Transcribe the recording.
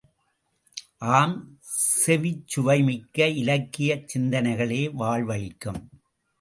ஆம், செவிச்சுவைமிக்க இலக்கியச் சிந்தனைகளே வாழ்வளிக்கும்!